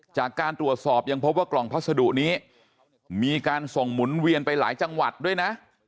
จากการตรวจสอบยังพบว่ากล่องพัสดุนี้มีการส่งหมุนเวียนไปหลายจังหวัดด้วยนะ